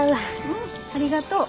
うんありがとう。